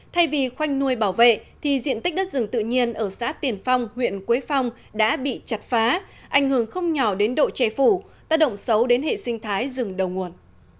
thay vì khoanh nuôi bảo vệ thì diện tích đất rừng tự nhiên ở xã tiền phong huyện quế phong đã bị chặt phá ảnh hưởng không nhỏ đến độ che phủ tác động xấu đến hệ sinh thái rừng đầu nguồn